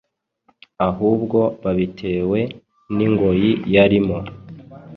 ahubwo babitewe n’ingoyi yarimo.